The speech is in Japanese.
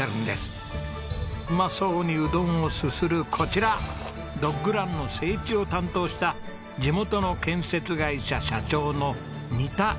うまそうにうどんをすするこちらドッグランの整地を担当した地元の建設会社社長の仁田忠徳さんです。